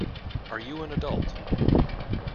Are you an adult?